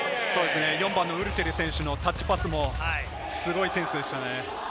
４番のウルテル選手のタッチパスもすごいセンスでしたね。